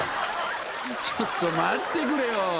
ちょっと待ってくれよ。